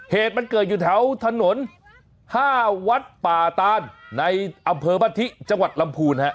เหตุมันเกิดอยู่แถวถนน๕วัดป่าตานในอำเภอมะทิจังหวัดลำพูนฮะ